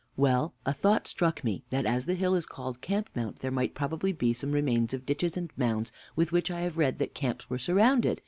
Well a thought struck me, that as the hill is called Camp mount, there might probably be some remains of ditches and mounds with which I have read that camps were surrounded.